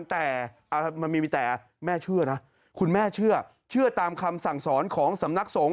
แต่มันมีแต่แม่เชื่อนะคุณแม่เชื่อตามคำสั่งสอนของสำนักสงฆ